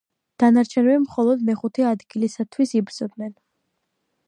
დანარჩენები მხოლოდ მეხუთე ადგილისათვის იბრძოდნენ.